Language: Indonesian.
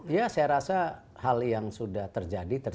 ya saya rasa hal yang sudah terjadi